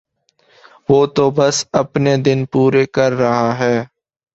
وہ تو بس اپنے دن پورے کر رہا ہے